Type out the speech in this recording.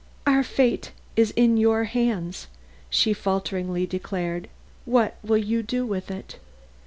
"Our fate is in your hands," she falteringly declared. "What will you do with it?"